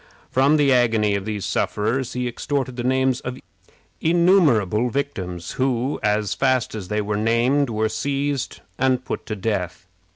From the agony of these sufferers he extorted the names of innumerable victims, who, as fast as they were named, were seized and put to death.